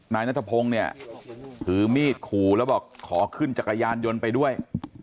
นายนัทพงศ์เนี่ยถือมีดขู่แล้วบอกขอขึ้นจักรยานยนต์ไปด้วย